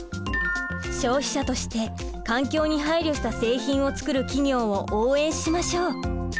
消費者として環境に配慮した製品を作る企業を応援しましょう。